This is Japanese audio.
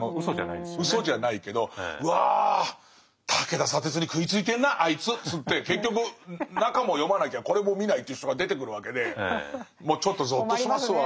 ウソじゃないけど「うわ武田砂鉄に食いついてんなあいつ」っつって結局中も読まなきゃこれも見ないという人が出てくるわけでもうちょっとゾッとしますわ。